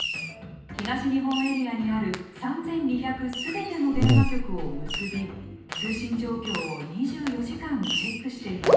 東日本エリアにある３，２００全ての電話局を結び通信状況を２４時間チェックしています。